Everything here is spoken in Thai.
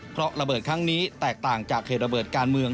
เพราะระเบิดครั้งนี้แตกต่างจากเหตุระเบิดการเมือง